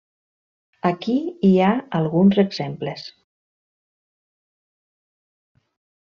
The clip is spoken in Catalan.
Aquí hi ha alguns exemples.